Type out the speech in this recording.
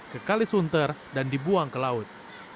kekalisunter dan dibuang ke laut